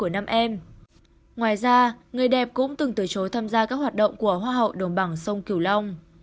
ngoài ra người đẹp cũng từng từ chối tham gia các hoạt động của hoa hậu đồng bằng sông cửu long